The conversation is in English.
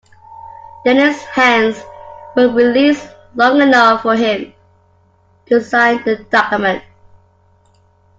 Dennin's hands were released long enough for him to sign the document.